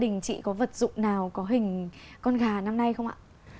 nào có hình con gà năm nay không ạ